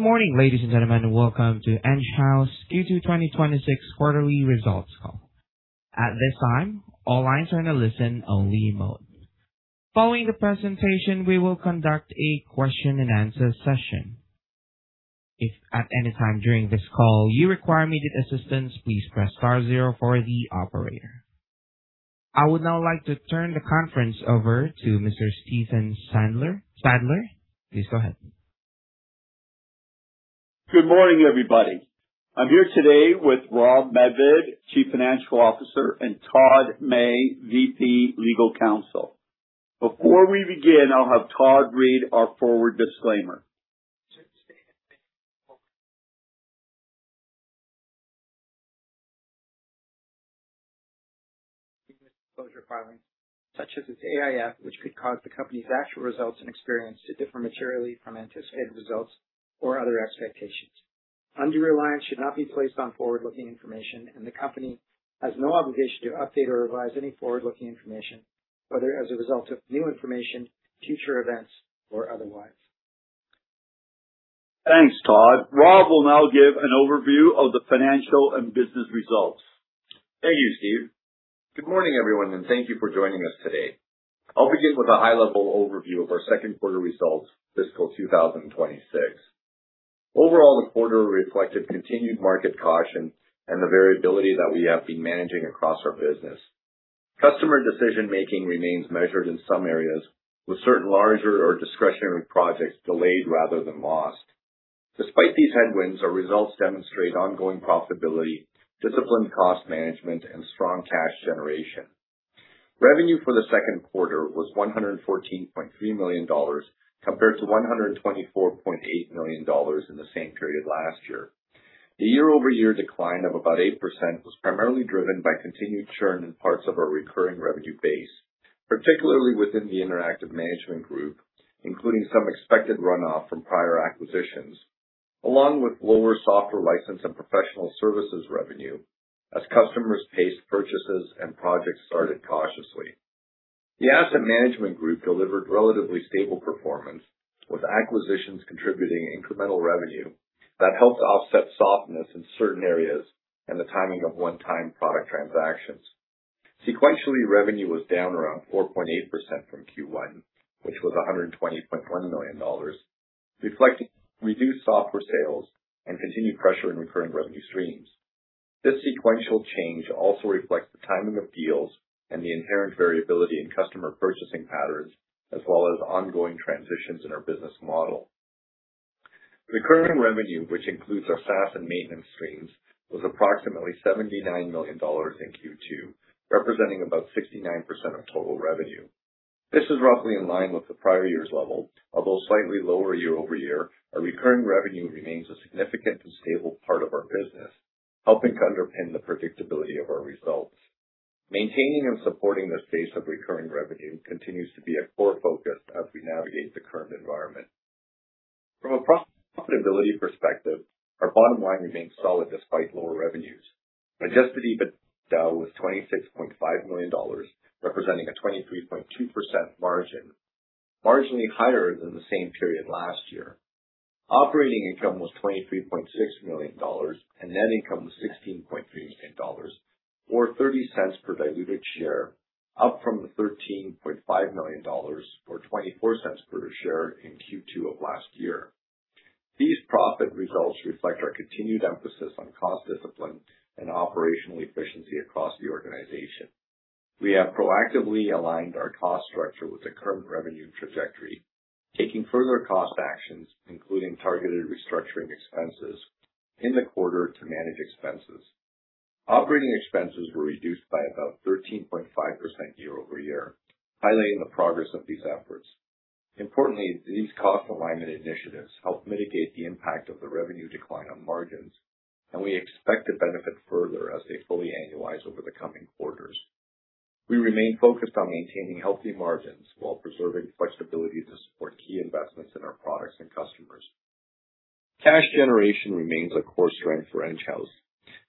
Good morning, ladies and gentlemen. Welcome to Enghouse Q2 2026 Quarterly Results Call. At this time, all lines are in a listen-only mode. Following the presentation, we will conduct a question and answer session. If at any time during this call you require immediate assistance, please press star zero for the operator. I would now like to turn the conference over to Mr. Stephen Sadler. Sadler, please go ahead. Good morning, everybody. I'm here today with Rob Medved, Chief Financial Officer, and Todd May, VP Legal Counsel. Before we begin, I'll have Todd read our forward disclaimer. Disclosure filings, such as its AIF, which could cause the company's actual results and experience to differ materially from anticipated results or other expectations. Undue reliance should not be placed on forward-looking information, and the company has no obligation to update or revise any forward-looking information, whether as a result of new information, future events, or otherwise. Thanks, Todd. Rob will now give an overview of the financial and business results. Thank you, Stephen. Good morning, everyone, and thank you for joining us today. I will begin with a high-level overview of our second quarter results fiscal 2026. Overall, the quarter reflected continued market caution and the variability that we have been managing across our business. Customer decision-making remains measured in some areas, with certain larger or discretionary projects delayed rather than lost. Despite these headwinds, our results demonstrate ongoing profitability, disciplined cost management, and strong cash generation. Revenue for the second quarter was 114.3 million dollars, compared to 124.8 million dollars in the same period last year. The year-over-year decline of about 8% was primarily driven by continued churn in parts of our recurring revenue base, particularly within the Interactive Management Group, including some expected runoff from prior acquisitions, along with lower software license and professional services revenue as customers paced purchases and projects started cautiously. The Asset Management Group delivered relatively stable performance, with acquisitions contributing incremental revenue that helped offset softness in certain areas and the timing of one-time product transactions. Sequentially, revenue was down around 4.8% from Q1, which was 120.1 million dollars, reflecting reduced software sales and continued pressure in recurring revenue streams. This sequential change also reflects the timing of deals and the inherent variability in customer purchasing patterns, as well as ongoing transitions in our business model. Recurring revenue, which includes our SaaS and maintenance streams, was approximately 79 million dollars in Q2, representing about 69% of total revenue. This is roughly in line with the prior year's level. Although slightly lower year-over-year, our recurring revenue remains a significant and stable part of our business, helping to underpin the predictability of our results. Maintaining and supporting the pace of recurring revenue continues to be a core focus as we navigate the current environment. From a profitability perspective, our bottom line remains solid despite lower revenues. Adjusted EBITDA was 26.5 million dollars, representing a 23.2% margin, marginally higher than the same period last year. Operating income was 23.6 million dollars and net income was 16.3 million dollars, or 0.30 per diluted share, up from the 13.5 million dollars or 0.24 per share in Q2 of last year. These profit results reflect our continued emphasis on cost discipline and operational efficiency across the organization. We have proactively aligned our cost structure with the current revenue trajectory, taking further cost actions, including targeted restructuring expenses in the quarter to manage expenses. Operating expenses were reduced by about 13.5% year-over-year, highlighting the progress of these efforts. Importantly, these cost alignment initiatives help mitigate the impact of the revenue decline on margins, and we expect to benefit further as they fully annualize over the coming quarters. We remain focused on maintaining healthy margins while preserving flexibility to support key investments in our products and customers. Cash generation remains a core strength for Enghouse.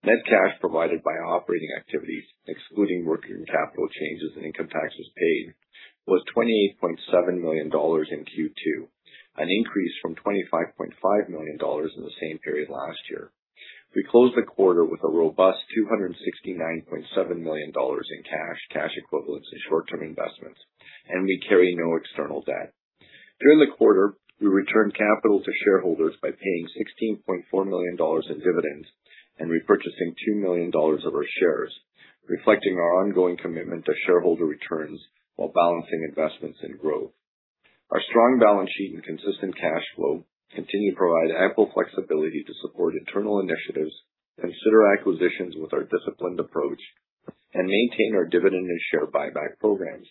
Net cash provided by operating activities, excluding working capital changes and income taxes paid, was 28.7 million dollars in Q2, an increase from 25.5 million dollars in the same period last year. We closed the quarter with a robust 269.7 million dollars in cash equivalents, and short-term investments, and we carry no external debt. During the quarter, we returned capital to shareholders by paying 16.4 million dollars in dividends and repurchasing 2 million dollars of our shares, reflecting our ongoing commitment to shareholder returns while balancing investments in growth. Our strong balance sheet and consistent cash flow continue to provide ample flexibility to support internal initiatives, consider acquisitions with our disciplined approach, and maintain our dividend and share buyback programs.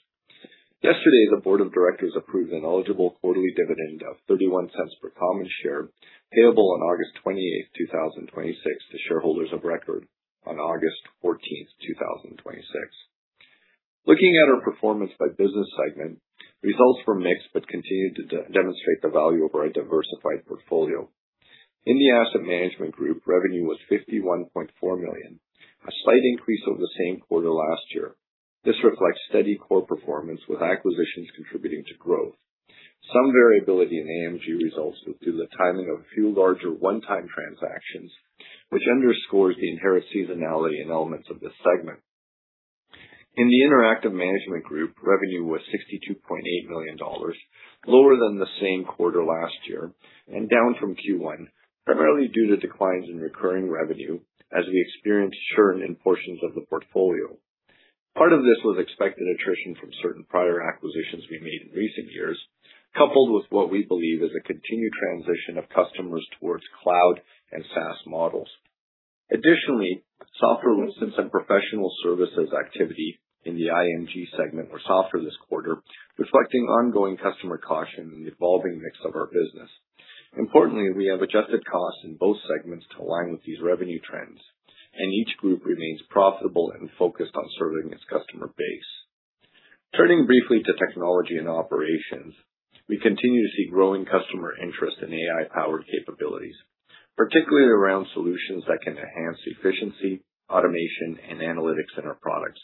Yesterday, the board of directors approved an eligible quarterly dividend of 0.31 per common share, payable on August 28th, 2026, to shareholders of record on August 14th, 2026. Looking at our performance by business segment, results were mixed but continued to demonstrate the value of our diversified portfolio. In the Asset Management Group, revenue was 51.4 million, a slight increase over the same quarter last year. This reflects steady core performance with acquisitions contributing to growth. Some variability in AMG results was due to the timing of a few larger one-time transactions, which underscores the inherent seasonality in elements of this segment. In the Interactive Management Group, revenue was 62.8 million dollars, lower than the same quarter last year and down from Q1, primarily due to declines in recurring revenue as we experienced churn in portions of the portfolio. Part of this was expected attrition from certain prior acquisitions we made in recent years, coupled with what we believe is a continued transition of customers towards cloud and SaaS models. Additionally, software license and professional services activity in the IMG segment were softer this quarter, reflecting ongoing customer caution in the evolving mix of our business. Importantly, we have adjusted costs in both segments to align with these revenue trends, and each group remains profitable and focused on serving its customer base. Turning briefly to technology and operations, we continue to see growing customer interest in AI-powered capabilities, particularly around solutions that can enhance efficiency, automation, and analytics in our products.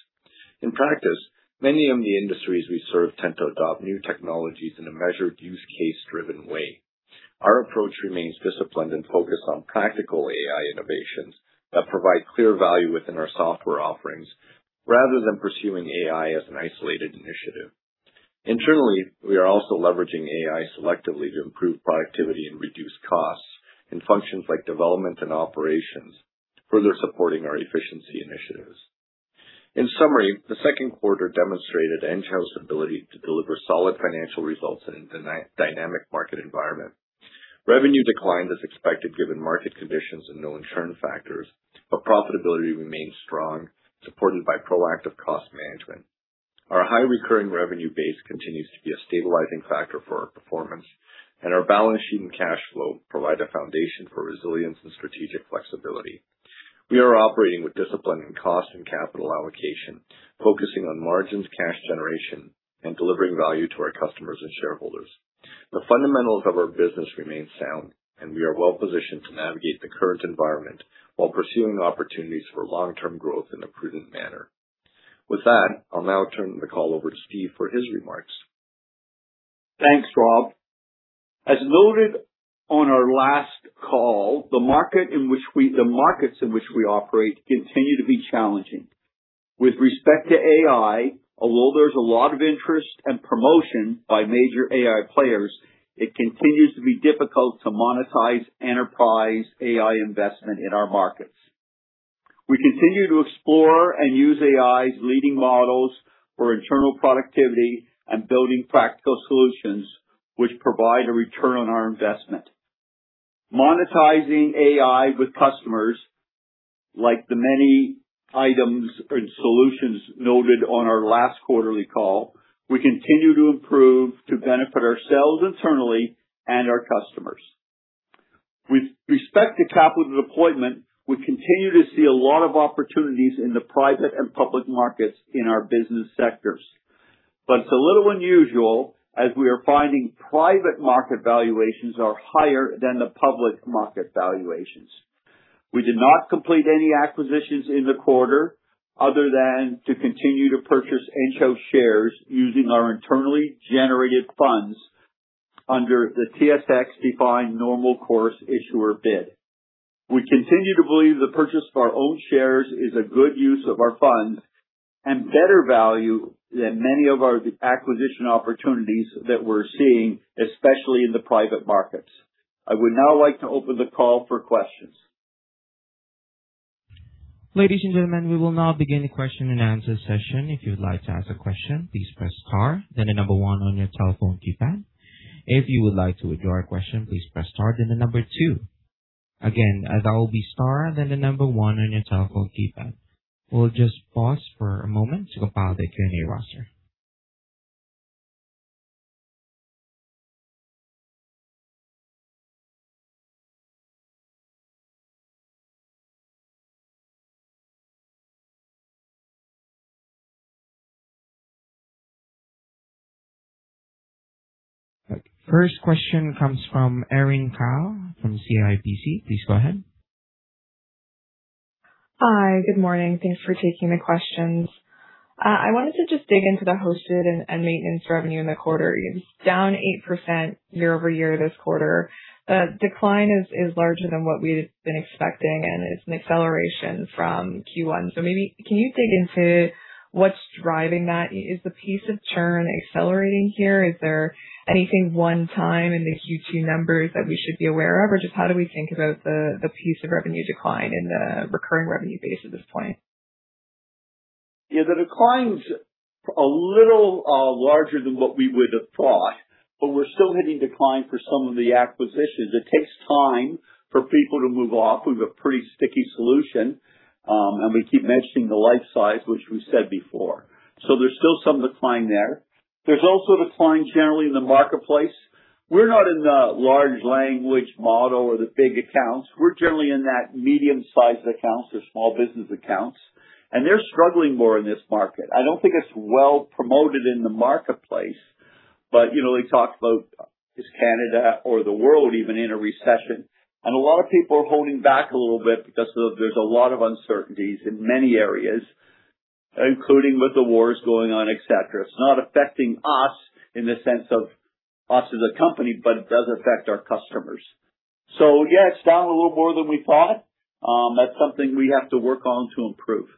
In practice, many of the industries we serve tend to adopt new technologies in a measured use case-driven way. Our approach remains disciplined and focused on practical AI innovations that provide clear value within our software offerings rather than pursuing AI as an isolated initiative. Internally, we are also leveraging AI selectively to improve productivity and reduce costs in functions like development and operations, further supporting our efficiency initiatives. In summary, the second quarter demonstrated Enghouse's ability to deliver solid financial results in a dynamic market environment. Revenue declined as expected, given market conditions and known churn factors, but profitability remains strong, supported by proactive cost management. Our high recurring revenue base continues to be a stabilizing factor for our performance, and our balance sheet and cash flow provide a foundation for resilience and strategic flexibility. We are operating with discipline in cost and capital allocation, focusing on margins, cash generation, and delivering value to our customers and shareholders. The fundamentals of our business remain sound, and we are well-positioned to navigate the current environment while pursuing opportunities for long-term growth in a prudent manner. With that, I'll now turn the call over to Stephen for his remarks. Thanks, Rob. As noted on our last call, the markets in which we operate continue to be challenging. With respect to AI, although there's a lot of interest and promotion by major AI players, it continues to be difficult to monetize enterprise AI investment in our markets. We continue to explore and use AI's leading models for internal productivity and building practical solutions which provide a return on our investment. Monetizing AI with customers, like the many items and solutions noted on our last quarterly call, we continue to improve to benefit ourselves internally and our customers. With respect to capital deployment, we continue to see a lot of opportunities in the private and public markets in our business sectors. It's a little unusual as we are finding private market valuations are higher than the public market valuations. We did not complete any acquisitions in the quarter other than to continue to purchase Enghouse shares using our internally generated funds under the TSX-defined normal course issuer bid. We continue to believe the purchase of our own shares is a good use of our funds and better value than many of our acquisition opportunities that we're seeing, especially in the private markets. I would now like to open the call for questions. Ladies and gentlemen, we will now begin the question and answer session. If you would like to ask a question, please press star then the number one on your telephone keypad. If you would like to withdraw a question, please press star then the number two. Again, that will be star then the number one on your telephone keypad. We'll just pause for a moment to compile the Q&A roster. First question comes from Erin Kyle from CIBC. Please go ahead. Hi. Good morning. Thanks for taking the questions. I wanted to just dig into the hosted and maintenance revenue in the quarter. It's down 8% year-over-year this quarter. The decline is larger than what we've been expecting, and it's an acceleration from Q1. Maybe can you dig into what's driving that? Is the pace of churn accelerating here? Is there anything one-time in the Q2 numbers that we should be aware of? Just how do we think about the pace of revenue decline in the recurring revenue base at this point? Yeah, the decline's a little larger than what we would have thought, but we're still hitting decline for some of the acquisitions. It takes time for people to move off. We've a pretty sticky solution, and we keep mentioning the Lifesize, which we said before. There's still some decline there. There's also decline generally in the marketplace. We're not in the large language model or the big accounts. We're generally in that medium-sized accounts or small business accounts, and they're struggling more in this market. I don't think it's well promoted in the marketplace. We talked about is Canada or the world even in a recession? A lot of people are holding back a little bit because there's a lot of uncertainties in many areas, including with the wars going on, et cetera. It's not affecting us in the sense of us as a company, but it does affect our customers. Yeah, it's down a little more than we thought. That's something we have to work on to improve.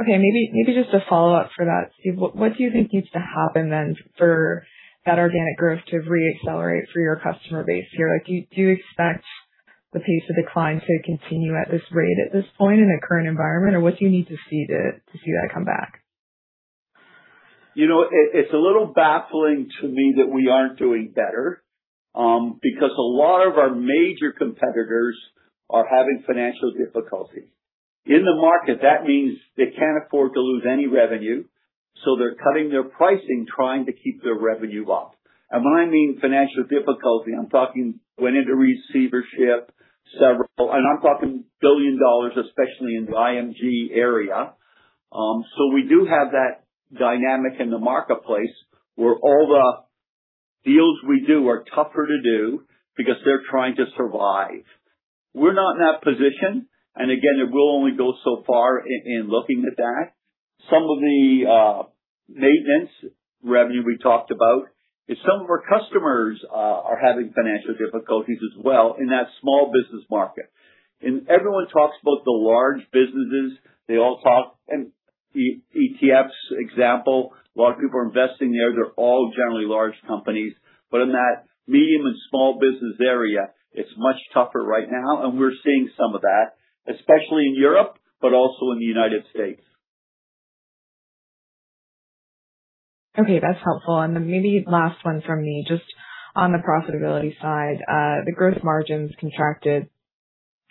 Okay. Maybe just a follow-up for that, Steve. What do you think needs to happen then for that organic growth to re-accelerate for your customer base here? Do you expect the pace of decline to continue at this rate at this point in the current environment? What do you need to see to see that come back? It's a little baffling to me that we aren't doing better, because a lot of our major competitors are having financial difficulties. In the market, that means they can't afford to lose any revenue, so they're cutting their pricing, trying to keep their revenue up. When I mean financial difficulty, I'm talking went into receivership, And I'm talking 1 billion dollars, especially in the IMG area. We do have that dynamic in the marketplace where all the deals we do are tougher to do because they're trying to survive. We're not in that position, again, it will only go so far in looking at that. Some of the maintenance revenue we talked about is some of our customers are having financial difficulties as well in that small business market. Everyone talks about the large businesses. They all talk. The ETFs example, a lot of people are investing there. They're all generally large companies. In that medium and small business area, it's much tougher right now, and we're seeing some of that, especially in Europe, but also in the United States. Okay, that's helpful. Maybe last one from me, just on the profitability side. The gross margins contracted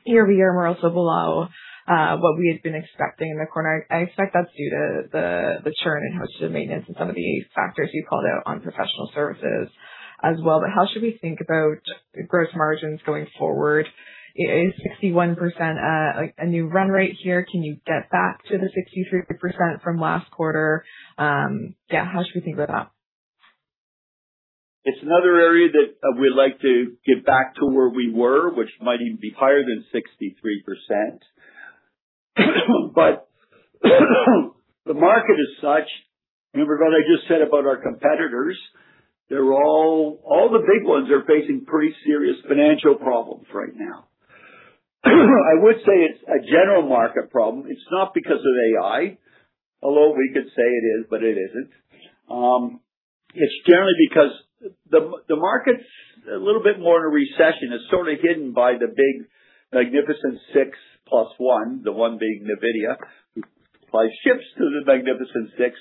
year-over-year. We're also below what we had been expecting in the quarter. I expect that's due to the churn in hosted maintenance and some of the factors you called out on professional services as well. How should we think about gross margins going forward? Is 61% a new run rate here? Can you get back to the 63% from last quarter? How should we think about that? It's another area that we'd like to get back to where we were, which might even be higher than 63%. The market is such, remember what I just said about our competitors. All the big ones are facing pretty serious financial problems right now. I would say it's a general market problem. It's not because of AI, although we could say it is, but it isn't. It's generally because the market's a little bit more in a recession. It's sort of hidden by the Big Magnificent Six +1, the one being Nvidia, who supply chips to the Magnificent Six,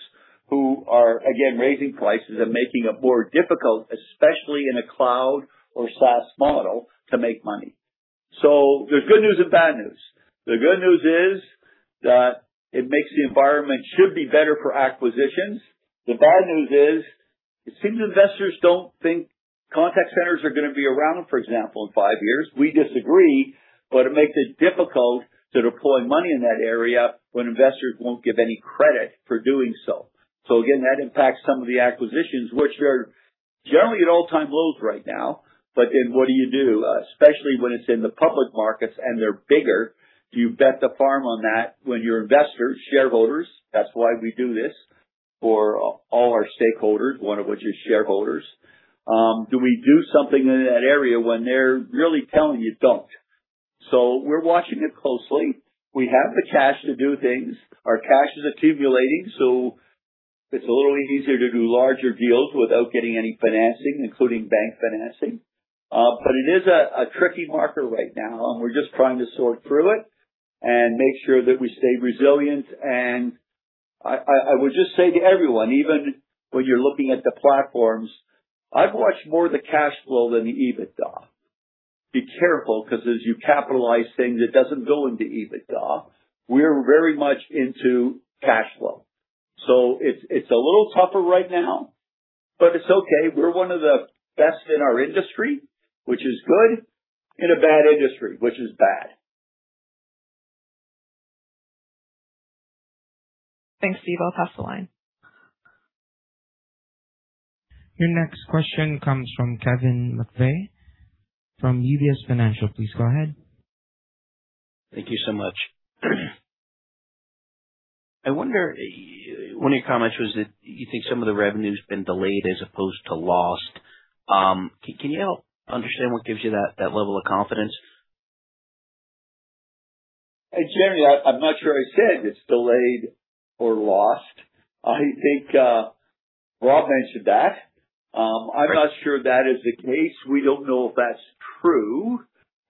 who are, again, raising prices and making it more difficult, especially in a cloud or SaaS model, to make money. There's good news and bad news. The good news is that it makes the environment should be better for acquisitions. The bad news is it seems investors don't think contact centers are going to be around, for example, in five years. We disagree, but it makes it difficult to deploy money in that area when investors won't give any credit for doing so. Again, that impacts some of the acquisitions, which are generally at all-time lows right now. What do you do? Especially when it's in the public markets and they're bigger. Do you bet the farm on that when your investors, shareholders, that's why we do this for all our stakeholders, one of which is shareholders? Do we do something in that area when they're really telling you don't? We're watching it closely. We have the cash to do things. Our cash is accumulating, so it's a little easier to do larger deals without getting any financing, including bank financing. It is a tricky market right now, and we're just trying to sort through it and make sure that we stay resilient. I would just say to everyone, even when you're looking at the platforms, I've watched more the cash flow than the EBITDA. Be careful, because as you capitalize things, it doesn't go into EBITDA. We're very much into cash flow. It's a little tougher right now, but it's okay. We're one of the best in our industry, which is good, in a bad industry, which is bad. Thanks, Stephen. I'll pass the line. Your next question comes from Kevin McVeigh from UBS Financial. Please go ahead. Thank you so much. I wonder, one of your comments was that you think some of the revenue's been delayed as opposed to lost. Can you help understand what gives you that level of confidence? Kevin, I'm not sure I said it's delayed or lost. I think Rob mentioned that. I'm not sure that is the case. We don't know if that's true.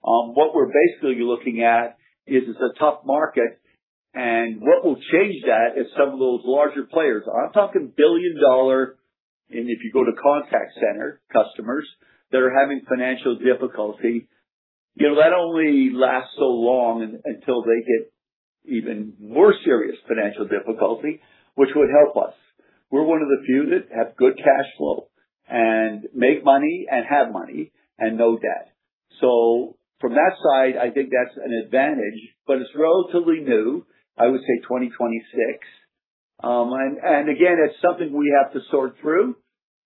What we're basically looking at is it's a tough market. What will change that is some of those larger players. I'm talking billion-dollar. If you go to contact center customers that are having financial difficulty, that only lasts so long until they get even worse serious financial difficulty, which would help us. We're one of the few that have good cash flow. Make money and have money and no debt. From that side, I think that's an advantage, but it's relatively new. I would say 2026. Again, it's something we have to sort through.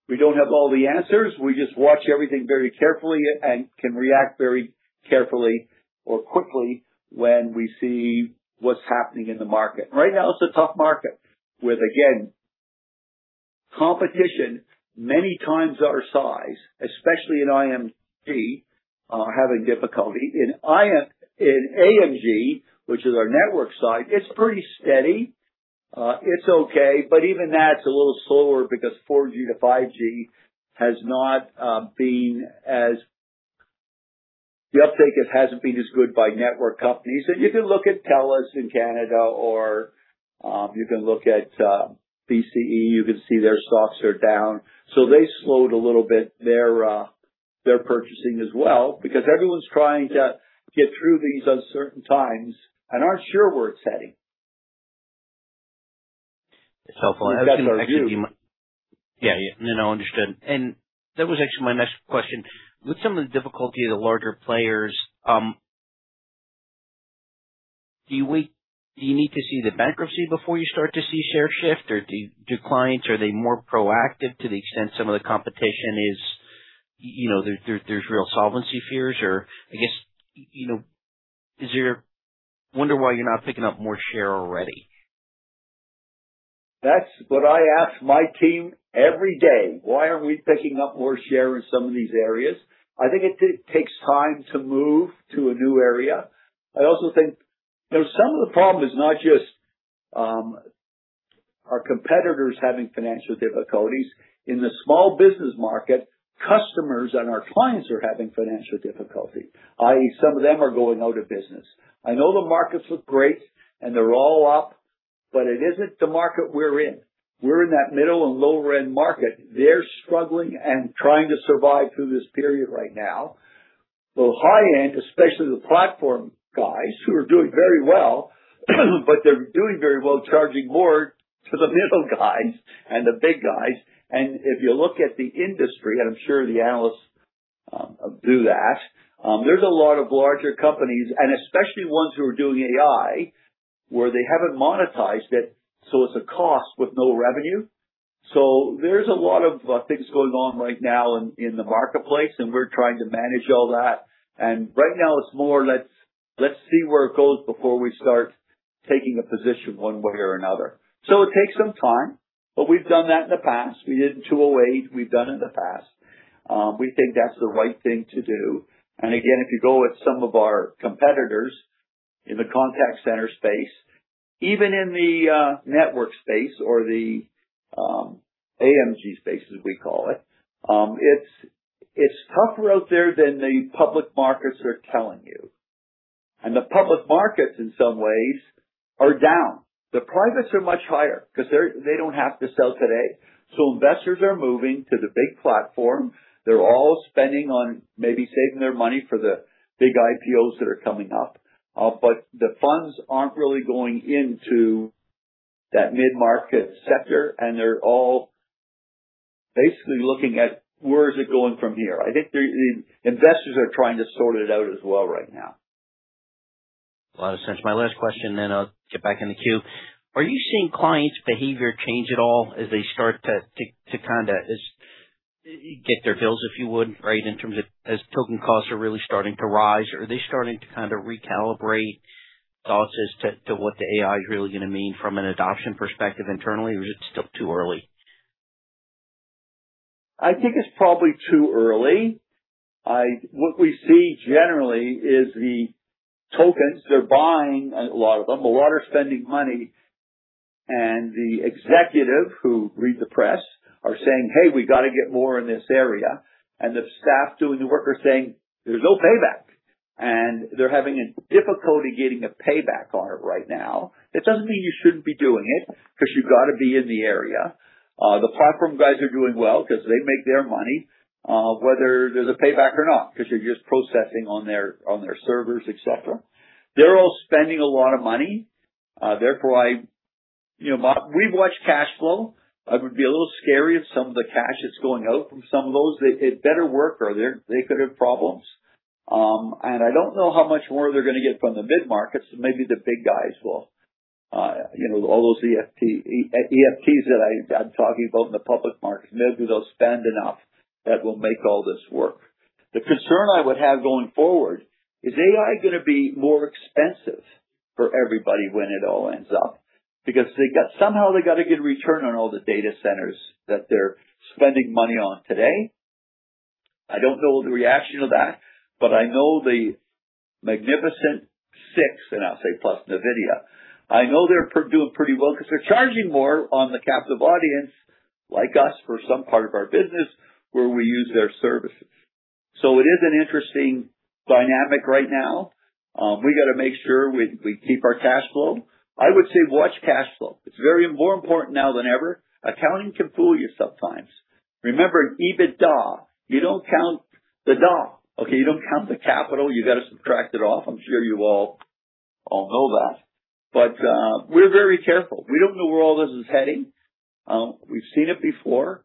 We don't have all the answers. We just watch everything very carefully and can react very carefully or quickly when we see what's happening in the market. Right now, it's a tough market with, again, competition many times our size, especially in IMT, are having difficulty. In AMG, which is our network side, it's pretty steady. It's okay, but even that's a little slower because 4G-5G, the uptake hasn't been as good by network companies. You can look at Telus in Canada or you can look at BCE, you can see their stocks are down. They slowed a little bit their purchasing as well because everyone's trying to get through these uncertain times and aren't sure where it's heading. It's helpful. That's our view. Yeah. No, understood. That was actually my next question. With some of the difficulty of the larger players, do you need to see the bankruptcy before you start to see share shift, or do clients, are they more proactive to the extent some of the competition is, there's real solvency fears? I guess, I wonder why you're not picking up more share already. That's what I ask my team every day. Why aren't we picking up more share in some of these areas? I think it takes time to move to a new area. I also think some of the problem is not just our competitors having financial difficulties. In the small business market, customers and our clients are having financial difficulty, i.e., some of them are going out of business. I know the markets look great and they're all up, it isn't the market we're in. We're in that middle and lower-end market. They're struggling and trying to survive through this period right now. The high-end, especially the platform guys, who are doing very well, they're doing very well charging more to the middle guys and the big guys. If you look at the industry, and I'm sure the analysts do that, there's a lot of larger companies, and especially ones who are doing AI, where they haven't monetized it's a cost with no revenue. There's a lot of things going on right now in the marketplace, we're trying to manage all that. Right now it's more let's see where it goes before we start taking a position one way or another. It takes some time, but we've done that in the past. We did in 2008. We've done it in the past. We think that's the right thing to do. Again, if you go with some of our competitors in the contact center space, even in the network space or the AMG space, as we call it's tougher out there than the public markets are telling you. The public markets, in some ways, are down. The privates are much higher because they don't have to sell today. Investors are moving to the big platform. They're all spending on maybe saving their money for the big IPOs that are coming up. The funds aren't really going into that mid-market sector, and they're all basically looking at where is it going from here. I think the investors are trying to sort it out as well right now. A lot of sense. My last question, I'll get back in the queue. Are you seeing clients' behavior change at all as they start to get their bills, if you would, right, in terms of as token costs are really starting to rise? Are they starting to recalibrate thoughts as to what AI is really going to mean from an adoption perspective internally, or is it still too early? I think it's probably too early. What we see generally is the tokens, they're buying a lot of them. A lot are spending money, the executive who read the press are saying, "Hey, we got to get more in this area." The staff doing the work are saying, "There's no payback." They're having a difficulty getting a payback on it right now. That doesn't mean you shouldn't be doing it because you've got to be in the area. The platform guys are doing well because they make their money, whether there's a payback or not, because they're just processing on their servers, etc. They're all spending a lot of money. We watch cash flow. It would be a little scary if some of the cash that's going out from some of those, it better work or they could have problems. I don't know how much more they're going to get from the mid-markets, maybe the big guys will. All those ETFs that I'm talking about in the public markets, maybe they'll spend enough that will make all this work. The concern I would have going forward is AI going to be more expensive for everybody when it all ends up because somehow they got to get a return on all the data centers that they're spending money on today. I don't know the reaction to that, but I know the Magnificent Six, and I'll say plus Nvidia, I know they're doing pretty well because they're charging more on the captive audience like us for some part of our business where we use their services. It is an interesting dynamic right now. We got to make sure we keep our cash flow. I would say watch cash flow. It's more important now than ever. Accounting can fool you sometimes. Remember EBITDA, you don't count the DA. Okay? You don't count the capital. You got to subtract it off. I'm sure you all know that. We're very careful. We don't know where all this is heading. We've seen it before.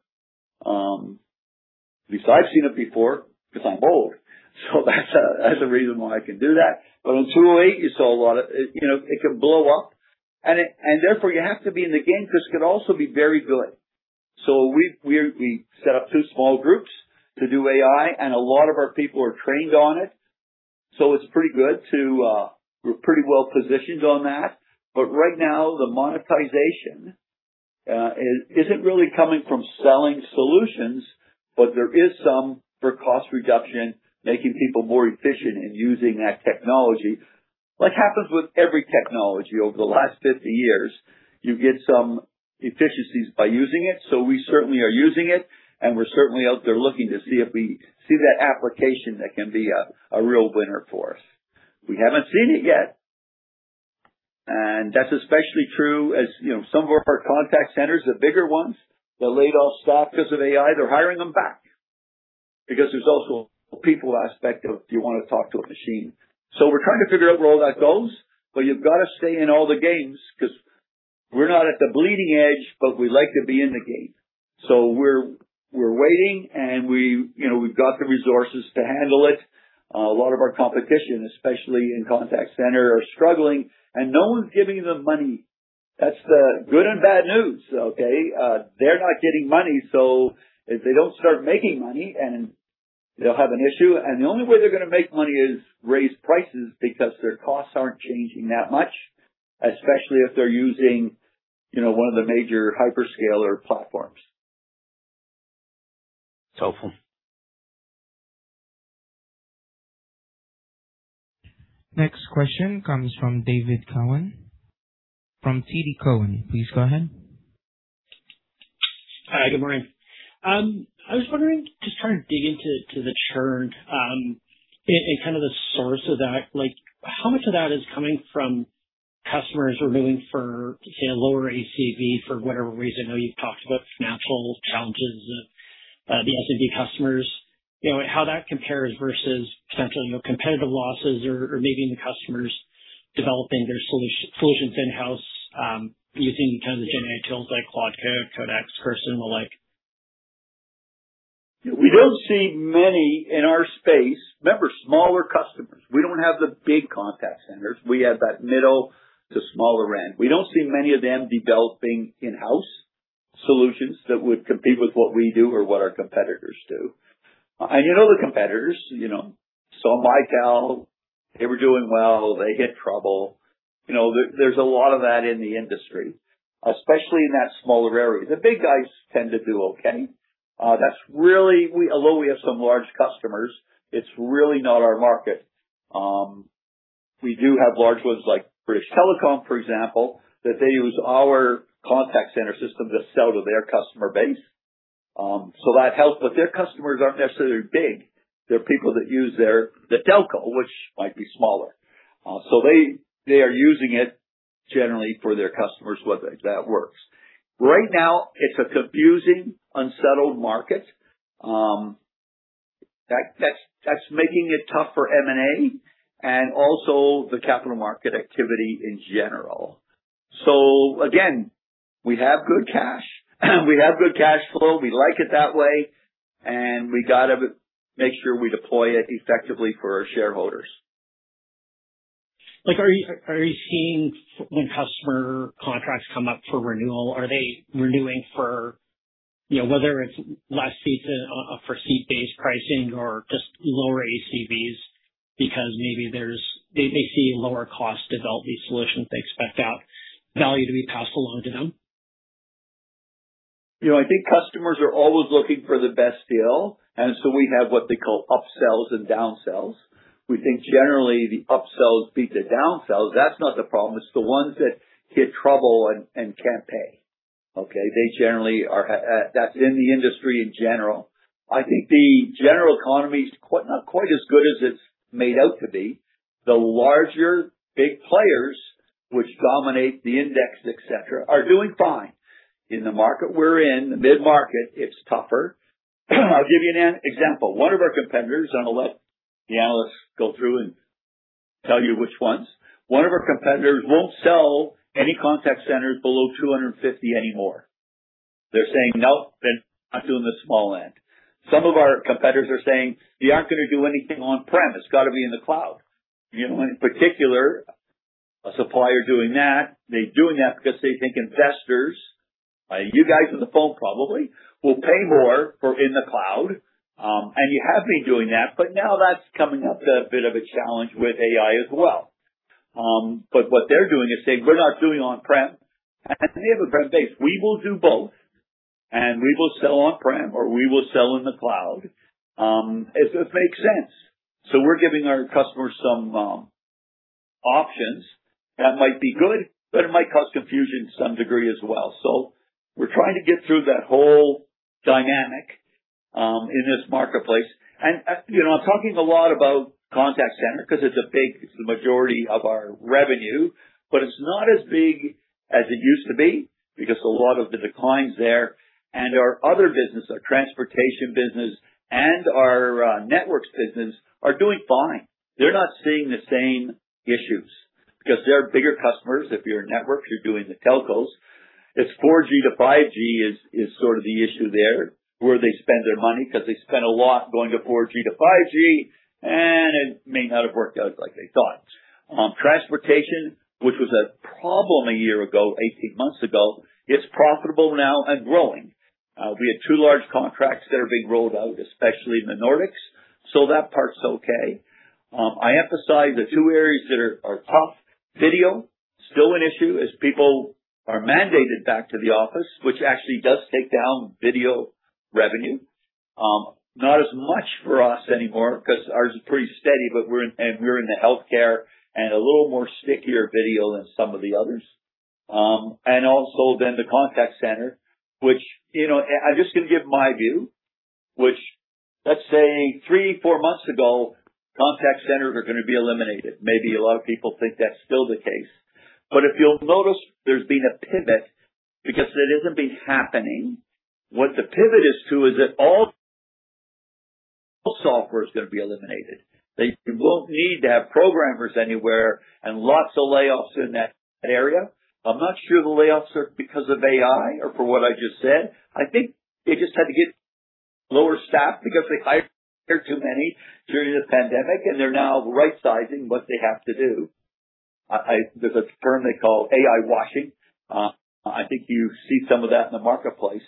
At least I've seen it before, because I'm old. That's a reason why I can do that. In 2008, It can blow up, you have to be in the game, because it could also be very good. We set up two small groups to do AI, and a lot of our people are trained on it, we're pretty well-positioned on that. Right now, the monetization isn't really coming from selling solutions, but there is some for cost reduction, making people more efficient in using that technology. Like happens with every technology over the last 50 years, you get some efficiencies by using it. We certainly are using it, we're certainly out there looking to see if we see that application that can be a real winner for us. We haven't seen it yet, and that's especially true as some of our contact centers, the bigger ones, they laid off staff because of AI. They're hiring them back because there's also a people aspect of, do you want to talk to a machine? We're trying to figure out where all that goes, but you've got to stay in all the games, because we're not at the bleeding edge, but we like to be in the game. We're waiting, we've got the resources to handle it. A lot of our competition, especially in contact center, are struggling, and no one's giving them money. That's the good and bad news. Okay? They're not getting money, so if they don't start making money, and they'll have an issue, and the only way they're going to make money is raise prices because their costs aren't changing that much, especially if they're using one of the major hyperscaler platforms. It's helpful. Next question comes from David Kwan from TD Cowen. Please go ahead. Hi, good morning. I was wondering, just trying to dig into the churn and the source of that. How much of that is coming from customers renewing for lower ACV for whatever reason? I know you've talked about financial challenges of the SMB customers. How that compares versus potentially no competitive losses or maybe the customers developing their solutions in-house using gen AI tools like Claude, Codex, Perplexity. We don't see many in our space. Remember, smaller customers. We don't have the big contact centers. We have that middle to smaller end. We don't see many of them developing in-house solutions that would compete with what we do or what our competitors do. You know the competitors. Saw Mitel. They were doing well. They hit trouble. There's a lot of that in the industry, especially in that smaller area. The big guys tend to do okay. Although we have some large customers, it's really not our market. We do have large ones like BT Group, for example, that they use our contact center system to sell to their customer base. That helps. Their customers aren't necessarily big. They're people that use their, the telco, which might be smaller. They are using it generally for their customers, whether that works. Right now, it's a confusing, unsettled market. That's making it tough for M&A and also the capital market activity in general. Again, we have good cash. We have good cash flow. We like it that way, and we got to make sure we deploy it effectively for our shareholders. Are you seeing when customer contracts come up for renewal, are they renewing whether it's less for seat-based pricing or just lower ACVs because maybe they see lower cost to develop these solutions. They expect that value to be passed along to them? I think customers are always looking for the best deal. We have what they call upsells and downsells. We think generally the upsells beat the downsells. That's not the problem. It's the ones that hit trouble and can't pay. Okay? That's in the industry in general. I think the general economy is not quite as good as it's made out to be. The larger big players, which dominate the index, et cetera, are doing fine. In the market we're in, the mid-market, it's tougher. I'll give you an example. One of our competitors, and I'll let the analysts go through and tell you which ones. One of our competitors won't sell any contact centers below 250 anymore. They're saying, "Nope, I'm not doing the small end." Some of our competitors are saying, "We aren't going to do anything on-prem. It's got to be in the cloud." In particular, a supplier doing that, they're doing that because they think investors, you guys on the phone probably, will pay more for in the cloud. You have been doing that, but now that's coming up as a bit of a challenge with AI as well. What they're doing is saying, "We're not doing on-prem." We have a prem base. We will do both, and we will sell on-prem, or we will sell in the cloud if it makes sense. We're giving our customers some options that might be good, but it might cause confusion to some degree as well. We're trying to get through that whole dynamic in this marketplace. I'm talking a lot about contact center because it's the majority of our revenue. But it's not as big as it used to be because a lot of the decline is there, and our other business, our Transportation business and our Networks business are doing fine. They're not seeing the same issues because they're bigger customers. If you're a network, you're doing the telcos. It's 4G-5G is sort of the issue there, where they spend their money because they spent a lot going to 4G-5G, and it may not have worked out like they thought. Transportation, which was a problem a year ago, 18 months ago, it's profitable now and growing. We had two large contracts that are being rolled out, especially in the Nordics. That part's okay. I emphasize the two areas that are tough. Video, still an issue as people are mandated back to the office, which actually does take down video revenue. Not as much for us anymore because ours is pretty steady, and we're in the healthcare and a little more stickier video than some of the others. The contact center, which I'm just going to give my view, which, let's say three, four months ago, contact centers are going to be eliminated. Maybe a lot of people think that's still the case. If you'll notice, there's been a pivot because it hasn't been happening. What the pivot is to is that all software is going to be eliminated. That you won't need to have programmers anywhere and lots of layoffs in that area. I'm not sure the layoffs are because of AI or for what I just said. I think they just had to get lower staff because they hired too many during the pandemic, and they're now rightsizing what they have to do. There's a term they call AI washing. I think you see some of that in the marketplace.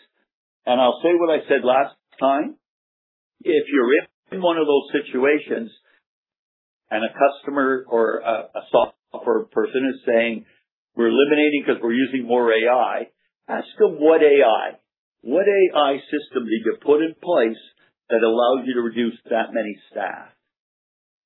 I'll say what I said last time. If you're in one of those situations and a customer or a software person is saying, "We're eliminating because we're using more AI," ask them, "What AI? What AI system did you put in place that allows you to reduce that many staff?"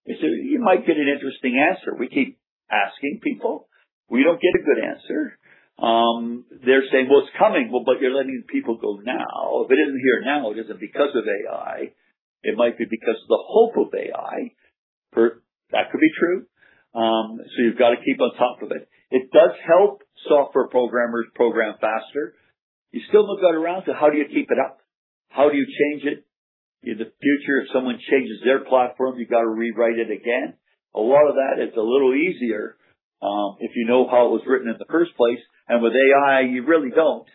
You might get an interesting answer. We keep asking people. We don't get a good answer. They're saying, "Well, it's coming." You're letting people go now. If it isn't here now, it isn't because of AI. It might be because of the hope of AI. That could be true. You've got to keep on top of it. It does help software programmers program faster. You still got to look around to how do you keep it up? How do you change it? In the future, if someone changes their platform, you've got to rewrite it again. A lot of that is a little easier if you know how it was written in the first place. With AI, you really don't.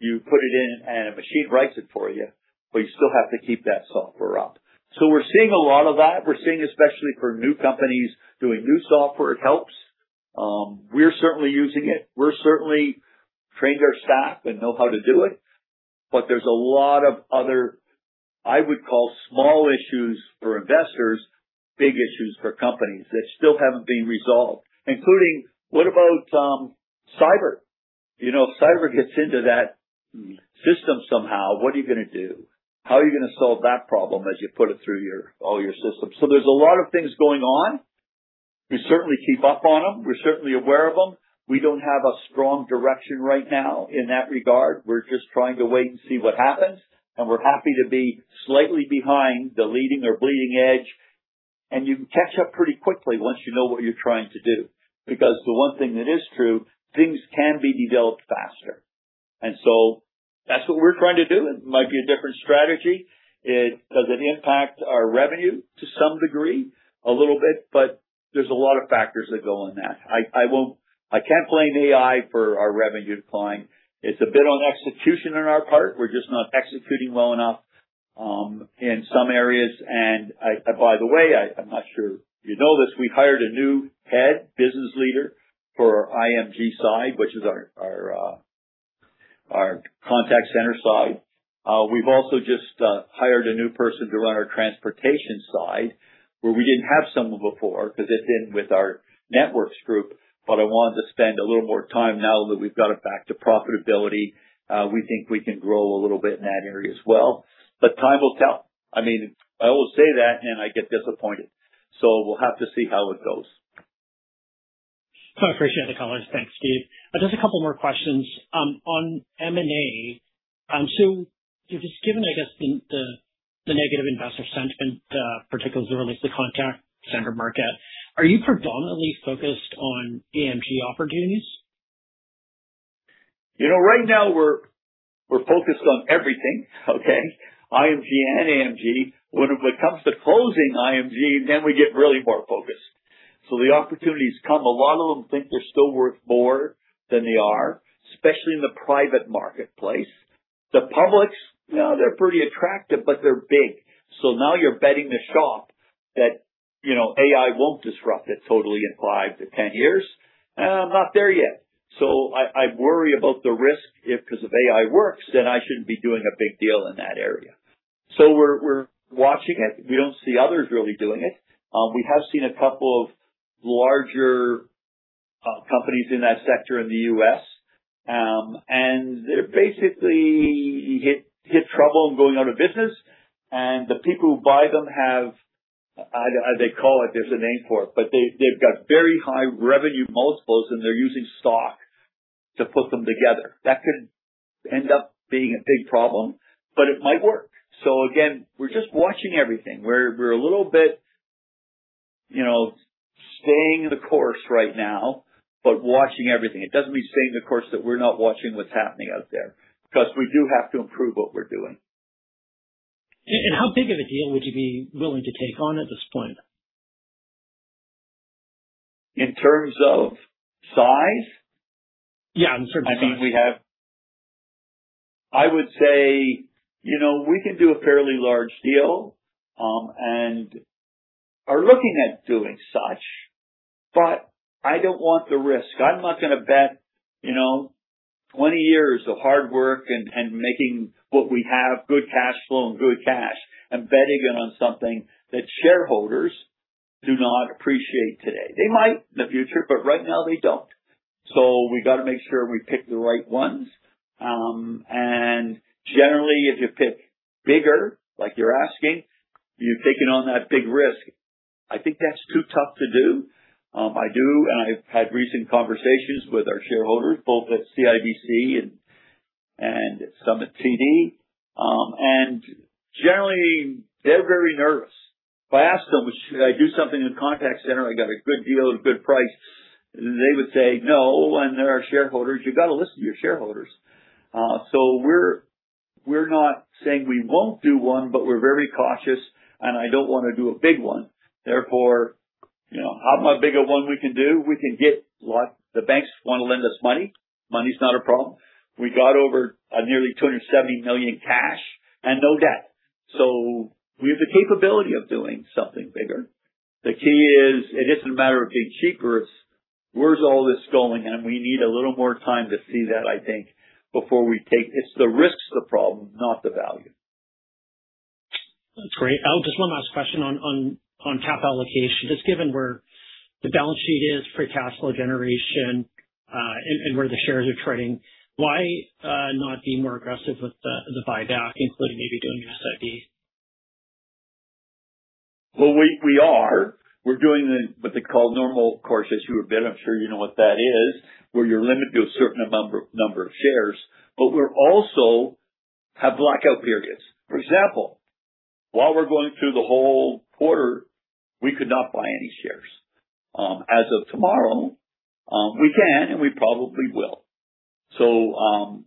You put it in and a machine writes it for you, but you still have to keep that software up. We're seeing a lot of that. We're seeing, especially for new companies doing new software, it helps. We're certainly using it. We're certainly trained our staff and know how to do it. There's a lot of other, I would call small issues for investors, big issues for companies that still haven't been resolved, including what about cyber? If cyber gets into that system somehow, what are you going to do? How are you going to solve that problem as you put it through all your systems? There's a lot of things going on. We certainly keep up on them. We're certainly aware of them. We don't have a strong direction right now in that regard. We're just trying to wait and see what happens, and we're happy to be slightly behind the leading or bleeding edge. You can catch up pretty quickly once you know what you're trying to do. Because the one thing that is true, things can be developed faster. That's what we're trying to do. It might be a different strategy. Does it impact our revenue to some degree? A little bit, but there's a lot of factors that go in that. I can't blame AI for our revenue decline. It's a bit on execution on our part. We're just not executing well enough in some areas. By the way, I'm not sure you know this, we've hired a new head business leader for our IMG side, which is our contact center side. We've also just hired a new person to run our transportation side where we didn't have someone before because it's in with our networks group, but I wanted to spend a little more time now that we've got it back to profitability. We think we can grow a little bit in that area as well. Time will tell. I always say that, and I get disappointed. We'll have to see how it goes. I appreciate the comments. Thanks, Steve. Just a couple more questions. On M&A, just given, I guess, the negative investor sentiment, particularly as it relates to the contact center market, are you predominantly focused on AMG opportunities? Right now, we're focused on everything, okay? IMG and AMG. When it comes to closing IMG, then we get really more focused. The opportunities come. A lot of them think they're still worth more than they are, especially in the private marketplace. The publics, they're pretty attractive, but they're big. Now you're betting the shop that AI won't disrupt it totally in 5-10 years. I'm not there yet. I worry about the risk if because if AI works, then I shouldn't be doing a big deal in that area. We're watching it. We don't see others really doing it. We have seen a couple of larger companies in that sector in the U.S., and they basically hit trouble and going out of business, and the people who buy them have They call it, there's a name for it, but they've got very high revenue multiples, and they're using stock to put them together. That could end up being a big problem, but it might work. Again, we're just watching everything. We're a little bit staying the course right now, but watching everything. It doesn't mean staying the course that we're not watching what's happening out there, because we do have to improve what we're doing. How big of a deal would you be willing to take on at this point? In terms of size? Yeah, in terms of size. I would say, we can do a fairly large deal, and are looking at doing such, but I don't want the risk. I'm not going to bet 20 years of hard work and making what we have, good cash flow and good cash, and betting it on something that shareholders do not appreciate today. They might in the future, but right now they don't. We've got to make sure we pick the right ones. Generally, if you pick bigger, like you're asking, you're taking on that big risk. I think that's too tough to do. I do, and I've had recent conversations with our shareholders, both at CIBC and some at TD. Generally, they're very nervous. If I ask them, "Should I do something in contact center? I got a good deal at a good price." They would say no, and they're our shareholders. You've got to listen to your shareholders. We're not saying we won't do one, but we're very cautious, and I don't want to do a big one. Therefore, how big a one we can do, the banks want to lend us money. Money's not a problem. We got over a nearly 270 million cash and no debt. We have the capability of doing something bigger. The key is, it isn't a matter of being cheap, or it's where's all this going, and we need a little more time to see that, I think, before we take It's the risk's the problem, not the value. That's great. I just have one last question on cap allocation. Just given where the balance sheet is, free cash flow generation, and where the shares are trading, why not be more aggressive with the buyback, including maybe doing your SIB? We are. We're doing what they call normal course issuer bid. I'm sure you know what that is, where you're limited to a certain number of shares, but we're also have blackout periods. For example, while we're going through the whole quarter, we could not buy any shares. As of tomorrow, we can and we probably will.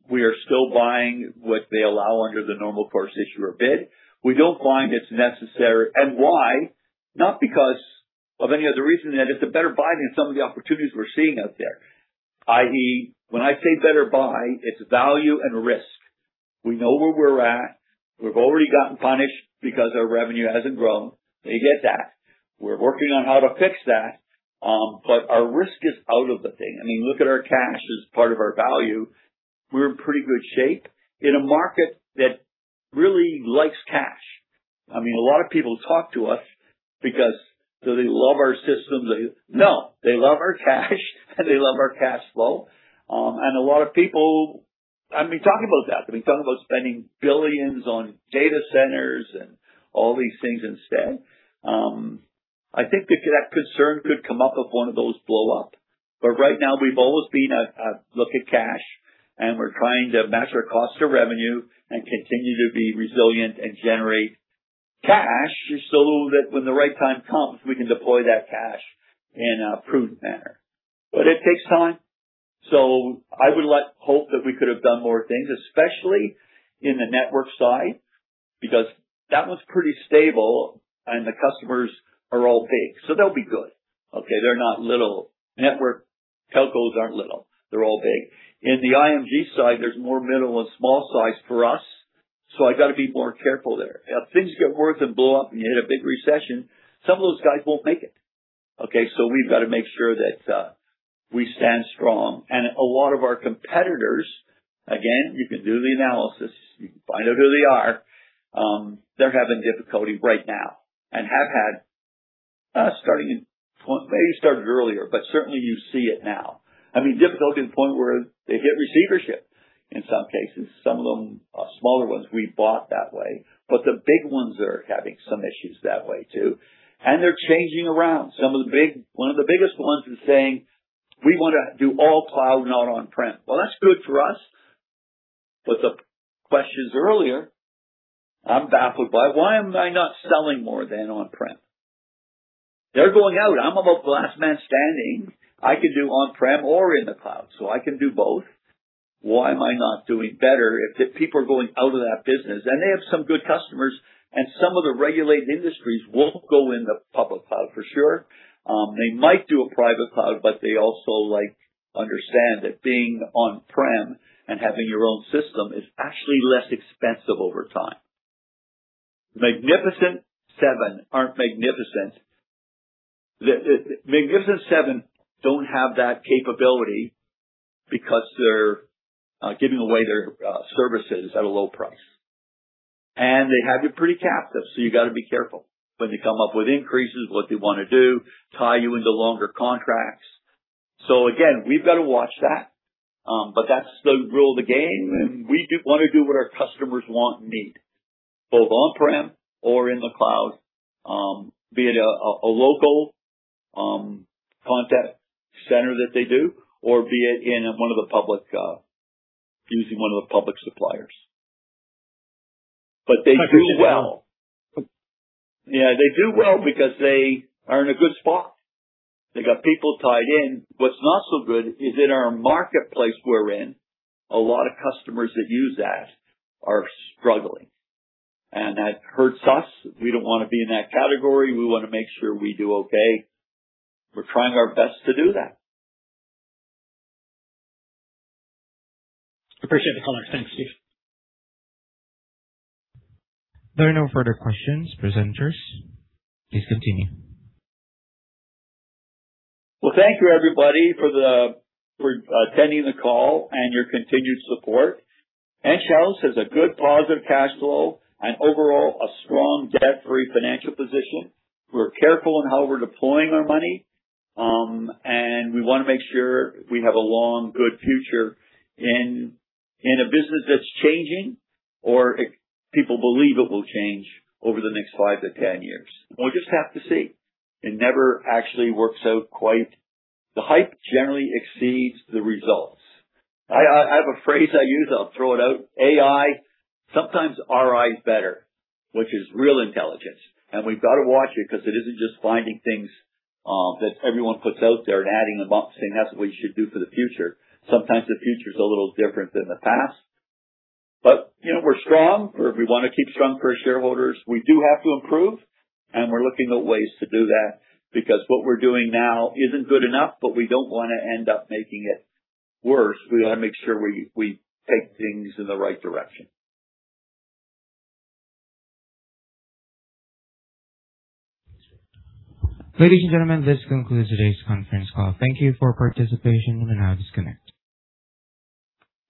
We are still buying what they allow under the normal course issuer bid. We don't find it's necessary. Why? Not because of any other reason than it's a better buy than some of the opportunities we're seeing out there. I.e., when I say better buy, it's value and risk. We know where we're at. We've already gotten punished because our revenue hasn't grown. They get that. We're working on how to fix that, but our risk is out of the thing. Look at our cash as part of our value. We're in pretty good shape in a market that really likes cash. A lot of people talk to us because do they love our systems? No, they love our cash, and they love our cash flow. We've been talking about that. They've been talking about spending billions on data centers and all these things instead. I think that concern could come up if one of those blow up. Right now, we've always been a look at cash, and we're trying to match our cost to revenue and continue to be resilient and generate cash so that when the right time comes, we can deploy that cash in a prudent manner. It takes time. I would hope that we could have done more things, especially in the network side, because that one's pretty stable and the customers are all big, so they'll be good. Okay? They're not little. Network telcos aren't little. They're all big. In the IMG side, there's more middle and small size for us, so I got to be more careful there. If things get worse and blow up and you hit a big recession, some of those guys won't make it. Okay? We've got to make sure that we stand strong. A lot of our competitors, again, you can do the analysis. You can find out who they are. They're having difficulty right now and have had, maybe it started earlier, but certainly you see it now. Difficulty to the point where they've hit receivership in some cases. Some of them are smaller ones we bought that way. The big ones are having some issues that way, too. They're changing around. One of the biggest ones is saying, "We want to do all cloud, not on-prem." Well, that's good for us. The questions earlier, I'm baffled by why am I not selling more than on-prem? They're going out. I'm almost the last man standing. I can do on-prem or in the cloud, so I can do both. Why am I not doing better if people are going out of that business? They have some good customers, and some of the regulated industries won't go in the public cloud for sure. They might do a private cloud, but they also understand that being on-prem and having your own system is actually less expensive over time. The Magnificent Seven aren't magnificent. The Magnificent Seven don't have that capability because they're giving away their services at a low price. They have you pretty captive, you got to be careful when they come up with increases, what they want to do, tie you into longer contracts. Again, we've got to watch that. That's the rule of the game, and we want to do what our customers want and need. Both on-prem or in the cloud, be it a local contact center that they do, or be it using one of the public suppliers. They do well. They do well. Yeah, they do well because they are in a good spot. They got people tied in. What's not so good is in our marketplace we're in, a lot of customers that use that are struggling, and that hurts us. We don't want to be in that category. We want to make sure we do okay. We're trying our best to do that. Appreciate the color. Thanks, Steve. There are no further questions. Presenters, please continue. Well, thank you everybody for attending the call and your continued support. Enghouse has a good positive cash flow and overall a strong debt-free financial position. We're careful in how we're deploying our money. We want to make sure we have a long, good future in a business that's changing, or people believe it will change over the next 5-10 years. We'll just have to see. It never actually works out quite. The hype generally exceeds the results. I have a phrase I use, I'll throw it out. AI, sometimes RI is better, which is real intelligence. We've got to watch it because it isn't just finding things that everyone puts out there and adding them up, saying, "That's what you should do for the future." Sometimes the future's a little different than the past. We're strong. We want to keep strong for our shareholders. We do have to improve, and we're looking at ways to do that, because what we're doing now isn't good enough, but we don't want to end up making it worse. We want to make sure we take things in the right direction. Ladies and gentlemen, this concludes today's conference call. Thank you for participation. You may now disconnect.